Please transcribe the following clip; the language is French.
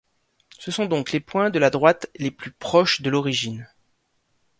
Ce sont donc les points de la droite les plus proches de l'origine.